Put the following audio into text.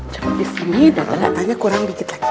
coba di sini udah kelihatannya kurang dikit lagi